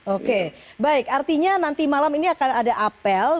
oke baik artinya nanti malam ini akan ada apel